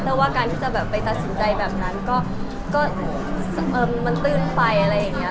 แต่ว่าการที่จะแบบไปตัดสินใจแบบนั้นก็มันตื้นไปอะไรอย่างนี้